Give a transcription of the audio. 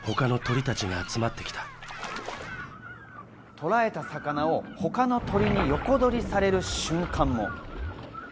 とらえた魚を他の鳥に横取りされる瞬間も。